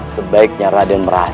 sebaiknya raden merahkanmu